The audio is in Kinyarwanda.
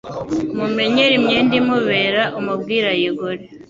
umumenyere imyenda imubera umubwire ayigure